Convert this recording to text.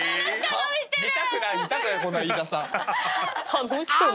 楽しそう。